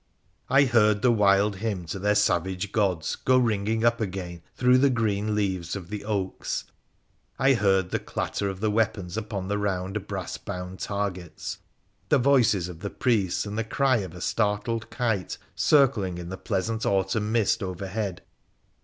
I heard the wild hymn to their savage gods go ringing up again through the green leaves of the oaks ; I heard the clatter of the weapons upon the round brass bound targets, the voices of the priests and the cry of a startled kite circling in the pleasant autumn mist overhead.